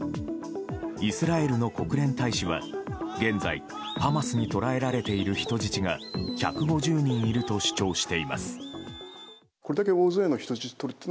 イスラエルの国連大使は現在、ハマスに捕らえられている人質が１５０人いると主張しています。